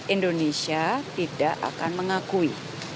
indonesia tidak akan mengakui